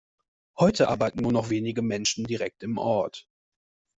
Heute arbeiten nur noch wenige Menschen direkt im Ort.